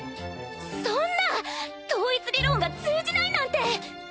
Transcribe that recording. そんな統一理論が通じないなんて。